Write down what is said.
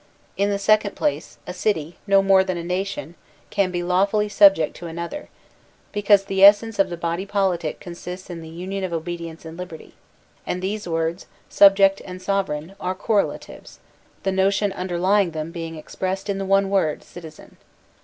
In the second place, a city, no more than a nation, can be lawfully subject to another, because the essence of the body politic consists in the union of obedience and liberty, and these words, subject and sovereign, are correlatives, the notion underlying them being expressed in the one word citizen.